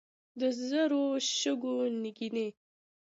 د زري شګو نینکې.